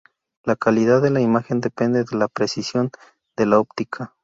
La calidad de la imagen depende de la precisión de la óptica.